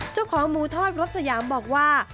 เจ้าของหมูทอดรถสยามบอกว่า